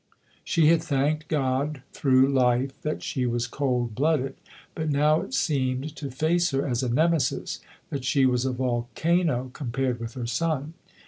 She had thanked God, through life, that she was cold blooded, but now it seemed to face her as a Nemesis that she was a volcano compared with her son.